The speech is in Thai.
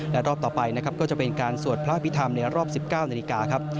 และรอบต่อไปนะครับก็จะเป็นการสวดพระอภิษฐรรมในรอบ๑๙นาฬิกาครับ